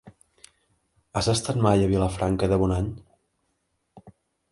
Has estat mai a Vilafranca de Bonany?